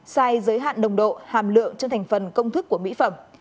sai giới hạn nồng độ hàm lượng trên thành phần công thức của mỹ phẩm